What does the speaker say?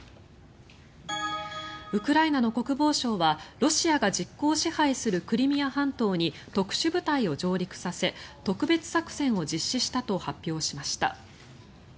ウクライナの国防省はロシアが実効支配するクリミア半島に特殊部隊を上陸させ特別作戦を実施したと発表しました。